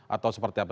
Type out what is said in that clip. atau seperti apa